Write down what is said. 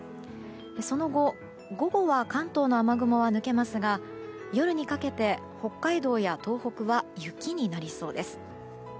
その後、午後は関東の雨雲は抜けますが夜にかけて北海道や東北は雪になりそうです。